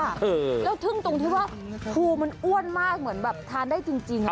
แล้วทึ่งตรงที่ว่าภูมันอ้วนมากเหมือนแบบทานได้จริงอ่ะ